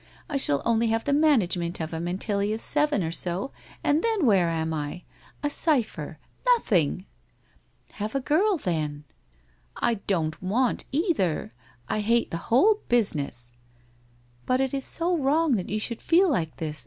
I shall only have the management of him until he is seven or so, and then where am I ? A cypher — nothing !' e Have a girl, then !'' I don't want either. I hate the whole business/ ' But it is so wrong that you should feel like this